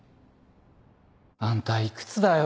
あんたいくつだよ！